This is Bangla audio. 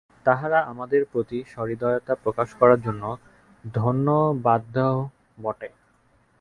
তাহারা আমাদের প্রতি সহৃদয়তা প্রকাশ করার জন্য ধন্যবাদার্হও বটে।